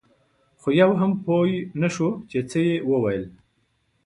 خو یو هم پوی نه شو چې څه یې ووې.